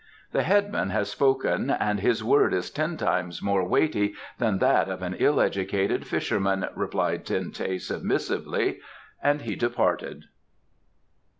"The headman has spoken, and his word is ten times more weighty than that of an ill educated fisherman," replied Ten teh submissively, and he departed.